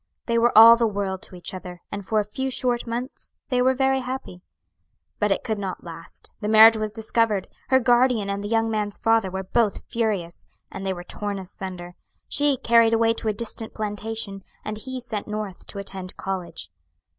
They were all the world to each other, and for a few short months they were very happy. "But it could not last; the marriage was discovered her guardian and the young man's father were both furious, and they were torn asunder; she carried away to a distant plantation, and he sent North to attend college.